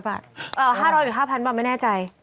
๕๐๐หรือ๕๐๐บาทไม่แน่ใจ